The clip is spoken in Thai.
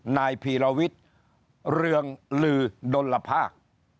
นายพีรวิทย์เรืองลือดลภาค